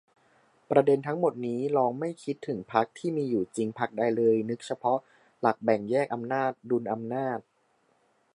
ประเด็นทั้งหมดนี้ ลองไม่คิดถึงพรรคที่มีอยู่จริงพรรคใดเลย นึกเฉพาะหลักแบ่งแยกอำนาจ-ดุลอำนาจ